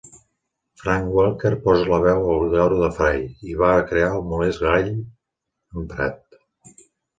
Frank Welker posa la veu al lloro de Fry i va crear el molest grall emprat.